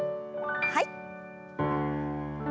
はい。